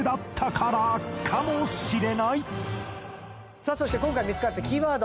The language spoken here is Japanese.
さあそして今回見つかったキーワード